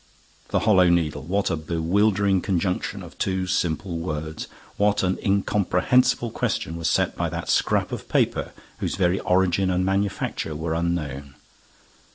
The Hollow Needle! What a bewildering conjunction of two simple words! What an incomprehensible question was set by that scrap of paper, whose very origin and manufacture were unknown!